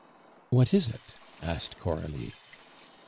"What is it?" asked Coralie.